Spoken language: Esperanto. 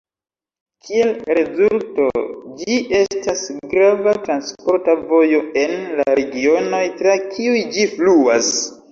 Kiel rezulto, ĝi estas grava transporta vojo en la regionoj tra kiuj ĝi fluas.